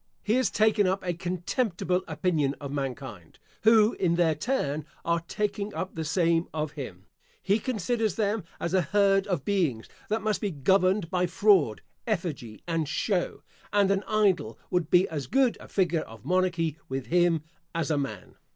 He has taken up a contemptible opinion of mankind, who, in their turn, are taking up the same of him. He considers them as a herd of beings that must be governed by fraud, effigy, and show; and an idol would be as good a figure of monarchy with him, as a man.